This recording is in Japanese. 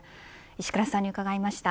石倉さんに伺いました。